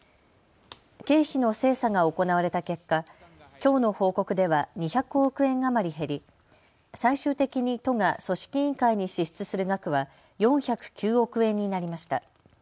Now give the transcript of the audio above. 経費の精査が行われた結果、きょうの報告では２００億円余り減り、最終的に都が組織委員会に支出する額は４０９億円になりました。